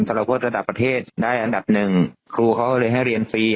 สำหรับพวกระดับประเทศได้อันดับหนึ่งครูเขาเลยให้เรียนฟรี